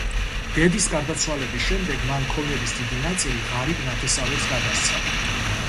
დედის გარდაცვალების შემდეგ მან ქონების დიდი ნაწილი ღარიბ ნათესავებს გადასცა.